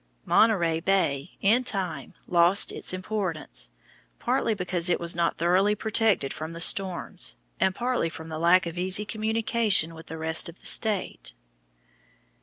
Monterey Bay in time lost its importance, partly because it was not thoroughly protected from the storms, and partly from the lack of easy communication with the rest of the state.